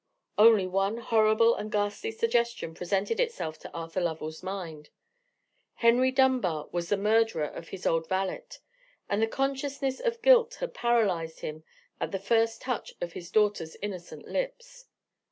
Only one horrible and ghastly suggestion presented itself to Arthur Lovell's mind. Henry Dunbar was the murderer of his old valet: and the consciousness of guilt had paralyzed him at the first touch of his daughter's innocent lips.